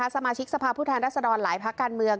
สมาชิกสภาพผู้แทนรัศดรหลายภาคการเมือง